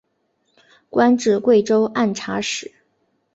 官至贵州按察使。